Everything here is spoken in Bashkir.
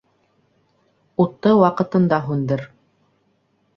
Утты ваҡытында һүндер.